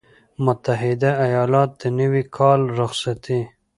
متحده ایالات - د نوي کال رخصتي